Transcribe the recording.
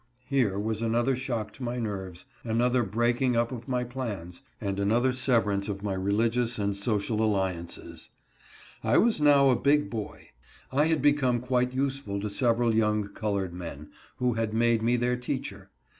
Here was another shock to my nerves, another breaking 124 REASONS FOR REGRET. up of my plans, and another severance of my religious and social alliances. I was now a big boy. I had be come quite useful to several young colored men, who had made me their teacher.